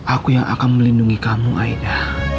aku yang akan melindungi kamu aida